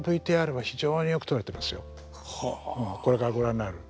これからご覧になる。